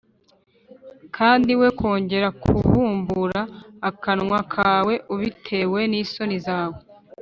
kandi we kongera kubumbura akanwa kawe ubitewe n’isoni zawe